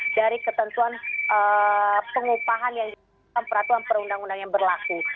dari ketentuan pengupahan yang peraturan perundang undang yang berlaku